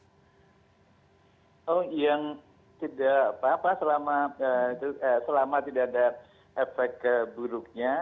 oh yang tidak apa apa selama tidak ada efek buruknya